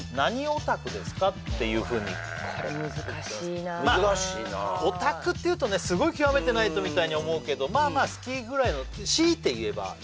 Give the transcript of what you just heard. これ難しいな難しいなまあオタクっていうとねすごい極めてないとみたいに思うけどまあまあ「好き」ぐらいの強いて言えば